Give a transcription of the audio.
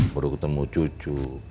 perlu ketemu cucu